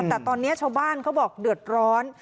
แต่ตอนนี้ชาวบ้านเขาบอกเดือดร้อน